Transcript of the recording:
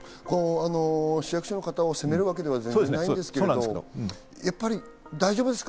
市役所の方を責めるわけでは全然ないんですけど、大丈夫ですか？